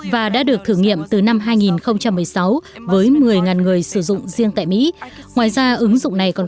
và đã được thử nghiệm từ năm hai nghìn một mươi sáu với một mươi người sử dụng riêng tại mỹ ngoài ra ứng dụng này còn